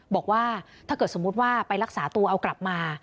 บอกว่าถ้าเกิดสมมุติว่าไปรักษาตัวเอากลับมา